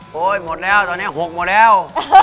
หมดแล้วตอนนี้๖หมดแล้ว